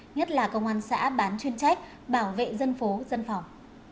nhất là công an xã bán chuyên trách bảo vệ dân phố dân phòng